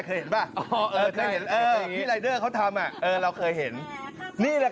เคยเห็นป่ะ